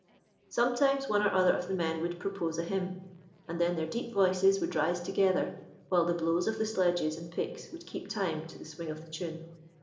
Sometimes one or other of the men would propose a hymn, and then their deep voices would rise together, while the blows of the sledges and picks would keep time to the swing of the tune.